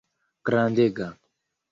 grandega